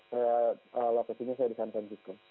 saya lakuinnya di san francisco